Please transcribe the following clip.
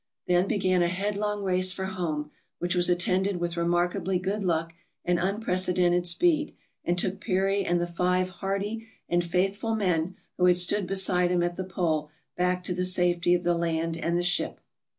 Then began a headlong race for home, which was attended with remarkably good luck, and unprecedented speed, and took Peary and the five hardy and faithful men who had stood beside him at the pole back to the safety of the land and the ship.